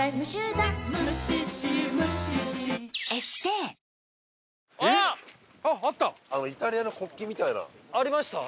イタリアの国旗みたいな。ありました？